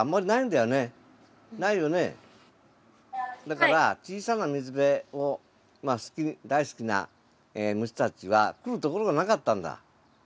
だから小さな水辺を大好きな虫たちは来るところがなかったんだ。